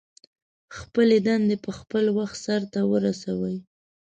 خپلې دندې په خپل وخت سرته ورسوئ.